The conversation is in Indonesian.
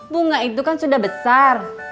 bunga itu kan sudah besar